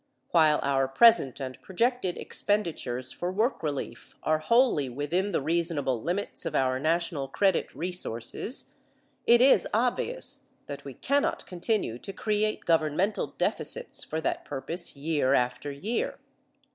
While our present and projected expenditures for work relief are wholly within the reasonable limits of our national credit resources, it is obvious that we cannot continue to create governmental deficits for that purpose year after year.